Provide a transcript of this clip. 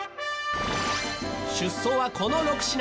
出走はこの６品。